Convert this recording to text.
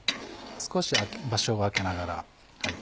少し場所を空けながら。